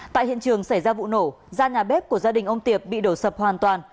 tại hiện trường xảy ra vụ nổ ra nhà bếp của gia đình ông tiệp bị đổ sập hoàn toàn